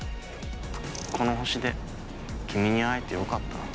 この星で君に会えてよかった。